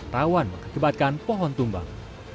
rawan mengakibatkan pohon tumbang